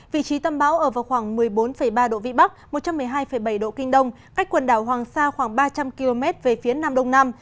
vị trí tâm bão ở vào khoảng một mươi bốn ba độ vĩ bắc một trăm một mươi hai bảy độ kinh đông cách quần đảo hoàng sa khoảng ba trăm linh km về phía nam đông nam